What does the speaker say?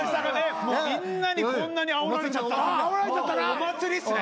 もうみんなにこんなにあおられちゃったらもうお祭りっすね。